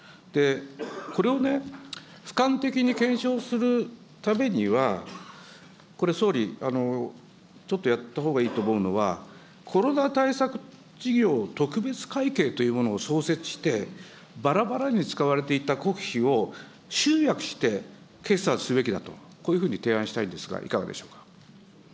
これをね、ふかん的に検証するためには、これ総理、ちょっとやったほうがいいと思うのは、コロナ対策事業特別会計というものを創設して、ばらばらに使われていた国費を集約して決算すべきだと、こういうふうに提案したいんですが、いかがでしょうか。